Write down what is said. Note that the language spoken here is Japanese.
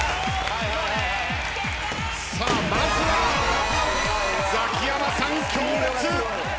まずはザキヤマさん強烈！